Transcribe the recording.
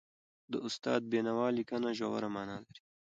د استاد د بينوا لیکنه ژوره معنا لري.